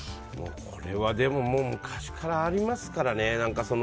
これは昔からありますからね。